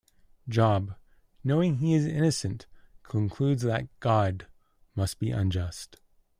Job, knowing he is innocent, concludes that God must be unjust.